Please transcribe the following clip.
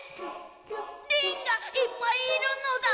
リンがいっぱいいるのだ？